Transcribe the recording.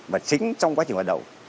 và chính trong quá trình hoạt động